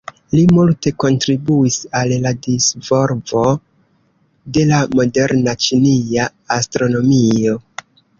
Li multe kontribuis al la disvolvo de la moderna ĉinia astronomio.